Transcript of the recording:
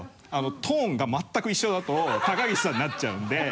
トーンが全く一緒だと高岸さんになっちゃうんで。